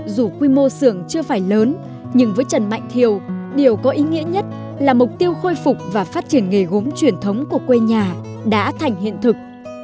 dù quy mô xưởng chưa phải lớn nhưng với trần mạnh thiều điều có ý nghĩa nhất là mục tiêu khôi phục và phát triển nghề gốm truyền thống của quê nhà đã thành hiện thực